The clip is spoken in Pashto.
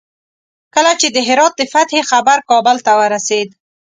کله چې د هرات د فتح خبر کابل ته ورسېد.